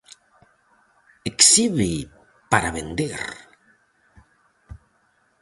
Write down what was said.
Exhibe para vender!